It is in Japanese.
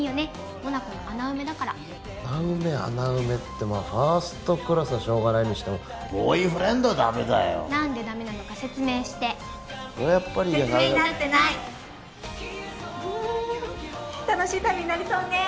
モナコの穴埋めだから穴埋め穴埋めってファーストクラスはしょうがないにしてもボーイフレンドはダメだよ何でダメなのか説明してそりゃやっぱり説明になってないフフフ楽しい旅になりそうね